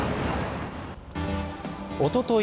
おととい